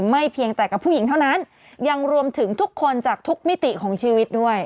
เพียงแต่กับผู้หญิงเท่านั้นยังรวมถึงทุกคนจากทุกมิติของชีวิตด้วย